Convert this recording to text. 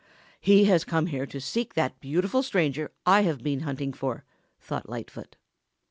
"He has come here to seek that beautiful stranger I have been hunting for," thought Lightfoot.